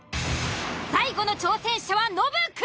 最後の挑戦者はノブくん。